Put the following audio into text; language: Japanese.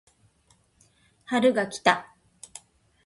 春が来た